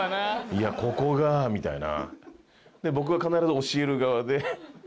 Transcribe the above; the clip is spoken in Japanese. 「いやここが」みたいな。